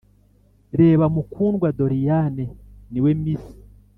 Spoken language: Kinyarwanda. reba mukundwa doriane niwe miss.